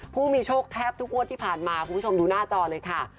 ผู้มีโชคแทบทุกงวดที่ผ่านมาคุณผู้ชมดูหน้าจอเลยค่ะ